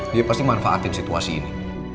dia pasti manfaatin situasi ini